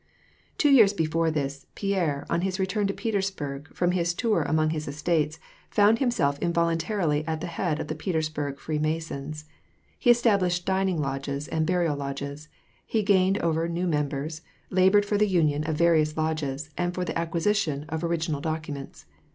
Two years before this, Pierre, on his return to Petersburg, from his tour among his estates, found himself involuntarily at the head of the Petersburg Freemasons. He establishei dining lodges and burial lodges, he gained over new members, labored for the union of various lodges, and for the acquisition of original documents.